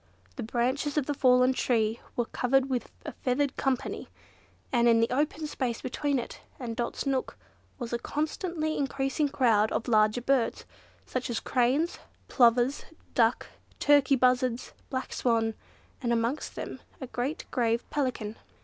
The branches of the fallen tree were covered with a feathered company, and in the open space between it and Dot's nook, was a constantly increasing crowd of larger birds, such as cranes, plover, duck, turkey buzzards, black swan, and amongst them a great grave Pelican.